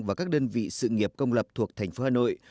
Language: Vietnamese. và các đơn vị sự nghiệp công lập thuộc thành phố hà nội